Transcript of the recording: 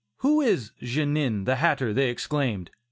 "Who is 'Genin,' the hatter?" they exclaimed.